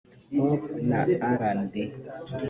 Pop na RnB